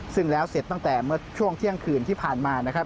ซึ่งแล้วเสร็จตั้งแต่เมื่อช่วงเที่ยงคืนที่ผ่านมานะครับ